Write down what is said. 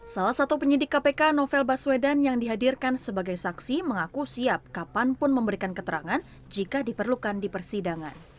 salah satu penyidik kpk novel baswedan yang dihadirkan sebagai saksi mengaku siap kapanpun memberikan keterangan jika diperlukan di persidangan